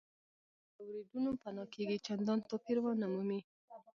کله چې له ښکلو بولیوارډونو پناه کېږئ چندان توپیر ونه مومئ.